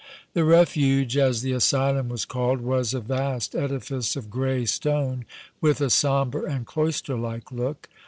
The Refuge, as the asylum was called, was a vast edifice of gray stone with a sombre and cloister like look.